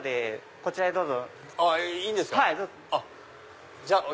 こちらへどうぞ。